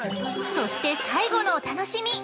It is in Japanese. ◆そして最後のお楽しみ。